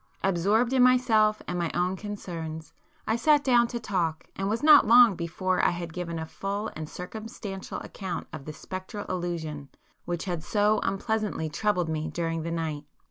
Absorbed in myself and my own concerns, I sat down to talk and was not long before I had given a full and circumstantial account of the spectral illusion which had so unpleasantly troubled me during the night.